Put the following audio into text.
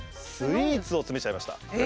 スイーツを詰めちゃいました。